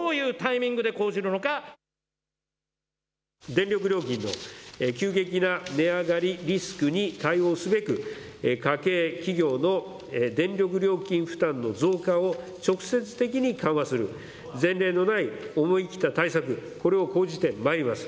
電力料金の急激な値上がりリスクに対応すべく家計、企業の電力料金負担の増加を直接的に緩和する前例のない思い切った対策、これを講じてまいります。